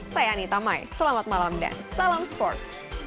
saya anita mai selamat malam dan salam sports